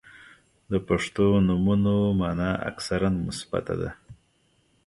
• د پښتو نومونو مانا اکثراً مثبته ده.